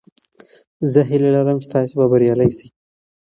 زه هیله لرم چې تاسې به بریالي شئ.